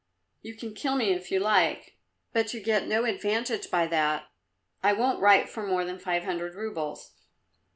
You can kill me if you like, but you get no advantage by that; I won't write for more than five hundred roubles."